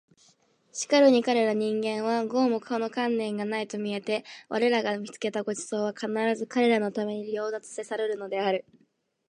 しかるに彼等人間は毫もこの観念がないと見えて我等が見付けた御馳走は必ず彼等のために掠奪せらるるのである